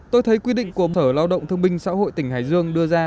tôi thấy quy định của sở lao động thương binh xã hội tỉnh hải dương đưa ra